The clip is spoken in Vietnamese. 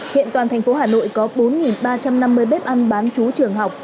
hiện toàn thành phố hà nội có bốn ba trăm năm mươi bếp ăn bán chú trường học